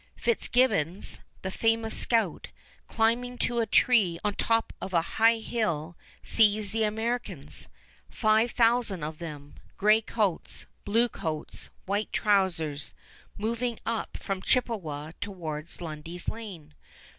Fitzgibbons, the famous scout, climbing to a tree on top of a high hill, sees the Americans, five thousand of them, gray coats, blue coats, white trousers, moving up from Chippewa towards Lundy's Lane.